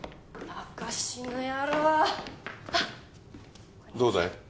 明石の野郎ッどうだい？